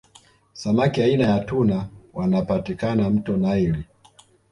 samaki aina ya tuna wanapatikana mto naili